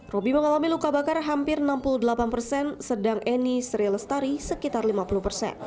robi mengalami luka bakar hampir enam puluh delapan persen sedang eni sri lestari sekitar lima puluh persen